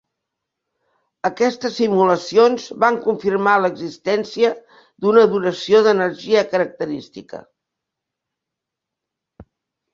Aquestes simulacions van confirmar l'existència d'una duració d'energia característica.